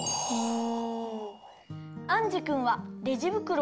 お。